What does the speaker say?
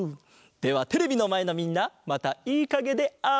ではテレビのまえのみんなまたいいかげであおう！